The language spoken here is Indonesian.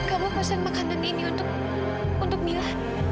kamu pesan makanan ini untuk untuk mila